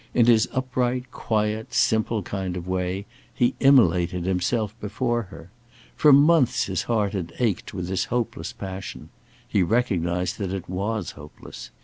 In his upright, quiet, simple kind of way, he immolated himself before her. For months his heart had ached with this hopeless passion. He recognized that it was hopeless.